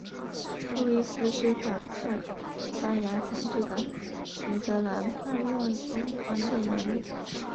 路易斯是反抗西班牙统治的尼德兰叛乱中关键人物。